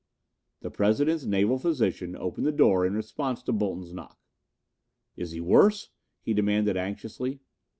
The President's naval physician opened the door in response to Bolton's knock. "Is he worse?" he demanded anxiously.